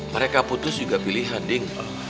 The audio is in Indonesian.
mereka putus juga pilihan ding